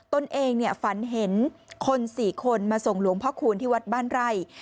ที่ผ่านมาต้นเองฝันเห็นคน๔คนมาส่งหลวงพระคูณที่วัดบ้านไร่